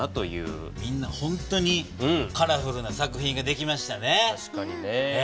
みんなほんとにカラフルな作品ができましたね。